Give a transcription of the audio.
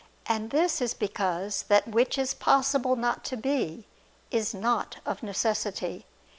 And this is because that which is possible not to be, is not of necessity.